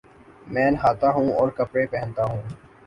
میں نہاتاہوں اور کپڑے پہنتا ہوں